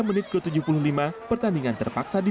berarti sudah kita serahkan ke sana